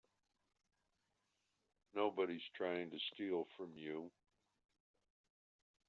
Nobody's trying to steal from you.